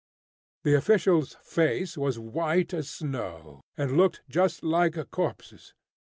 The official's face was white as snow, and looked just like a corpse's.